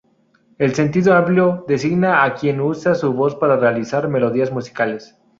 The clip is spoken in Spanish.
En sentido amplio, designa a quien usa su voz para realizar melodías musicales.